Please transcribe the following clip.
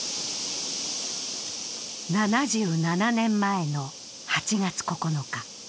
７７年前の８月９日。